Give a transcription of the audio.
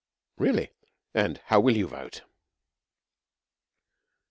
'Really! And how will you vote?'